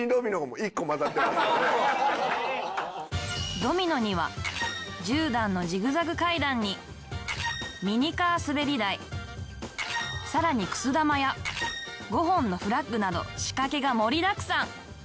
ドミノには１０段のジグザグ階段にミニカー滑り台さらにくす玉や５本のフラッグなど仕掛けが盛りだくさん！